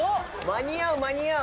「間に合う間に合う！」。